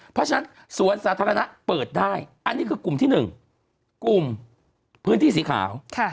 เพราะฉะนั้นสวนสาธารณะเปิดได้อันนี้คือกลุ่มที่๑กลุ่มพื้นที่สีขาว